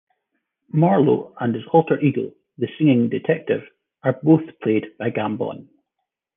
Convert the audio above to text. Marlow and his alter-ego, the singing detective, are both played by Gambon.